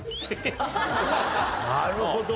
なるほど！